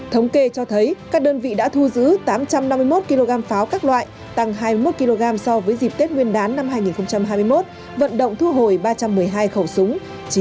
thống kê cho thấy các đơn vị đã thu giữ tám trăm năm mươi một kg pháo các loại tăng hai mươi một kg so với dịp tết nguyên đán năm hai nghìn hai mươi một vận động thu hồi ba trăm một mươi hai khẩu súng